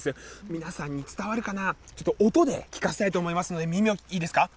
皆さんに伝わるかな、ちょっと音で聞かせたいと思いますので、みんな、いいですか？